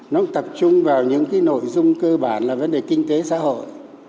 nó tập trung vào những cái nội dung cơ bản là vấn đề kinh tế xã hội